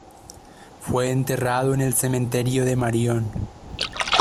Fue enterrado en el cementerio de Marion